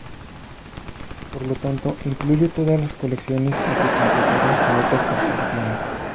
Por lo tanto, incluye todas las colecciones y se completará con otras adquisiciones.